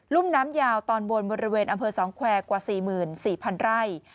ุ่มน้ำยาวตอนบนบริเวณอำเภอ๒แควร์กว่า๔๔๐๐๐ไร่